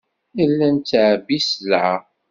Nella nettɛebbi sselɛa.